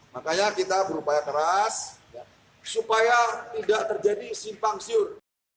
makanya kita berupaya keras supaya tidak terjadi simpang siur